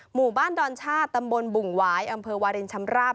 หมู่บ้านดอนชาติตำบลบุ่งหวายอำเภอวารินชำราบ